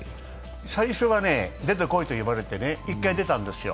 最初はね、出てこいと呼ばれて一回出たんですよ。